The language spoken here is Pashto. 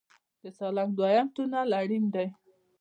د سالنګ دویم تونل اړین دی